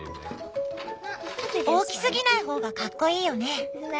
大きすぎない方がかっこいいよね。